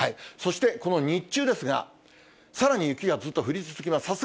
そしてこの日中ですが、さらに雪がずっと降り続きます。